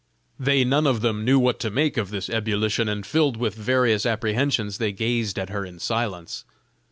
They none of them knew what to make of this ebullition, and filled with various apprehensions they gazed at her in silence.